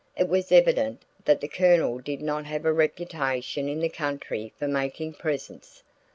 It was evident that the Colonel did not have a reputation in the county for making presents.